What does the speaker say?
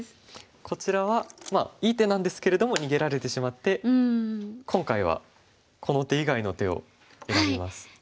こちらはいい手なんですけれども逃げられてしまって今回はこの手以外の手を選びます。